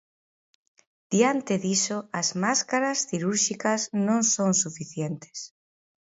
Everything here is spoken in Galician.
Diante diso, as máscaras cirúrxicas non son suficientes.